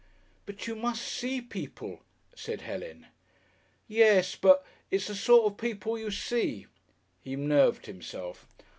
"But you must see people," said Helen. "Yes, but . It's the sort of people you see." He nerved himself.